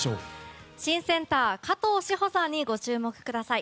新センター、加藤史帆さんにご注目ください。